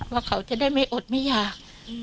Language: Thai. ว่าเขาจะได้ไม่อดไม่อยาก